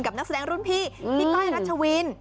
นักแสดงรุ่นพี่พี่ก้อยรัชวิน